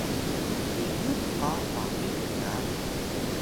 miyup qa wagi lga